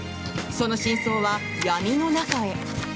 その真相は闇の中へ。